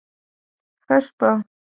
ښه شپه